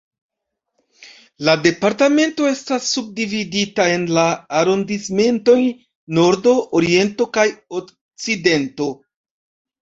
La Departemento estas subdividita en la arondismentoj "nordo", "oriento" kaj "okcidento".